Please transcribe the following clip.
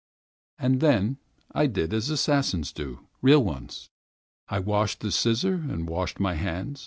And then I did as assassins do—real ones. I washed the scissors, I washed my hands.